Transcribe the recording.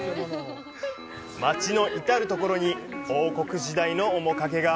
街の至る所に王国時代の面影が。